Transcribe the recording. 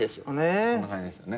こんな感じですよね